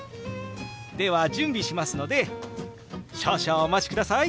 では準備しますので少々お待ちください。